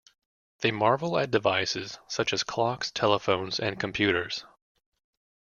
They marvel at devices such as clocks, telephones and computers.